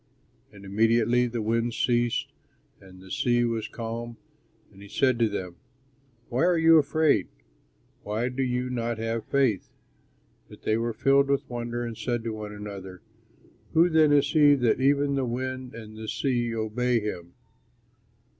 And immediately the wind ceased and the sea was calm; and he said to them, "Why are you afraid? Why do you not have faith?" But they were filled with wonder and said to one another, "Who then is he, that even the wind and the sea obey him?"